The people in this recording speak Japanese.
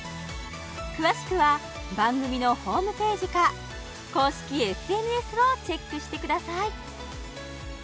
詳しくは番組のホームページか公式ＳＮＳをチェックしてください